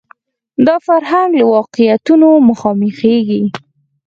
دا فرهنګ له واقعیتونو مخامخېږي